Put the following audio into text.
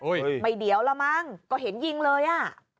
ไม่เดี๋ยวละมั้งก็เห็นยิงเลยอ่ะ